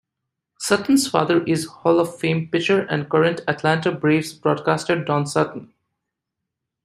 Sutton's father is Hall of Fame pitcher and current Atlanta Braves broadcaster Don Sutton.